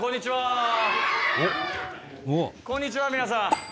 「こんにちは皆さん！」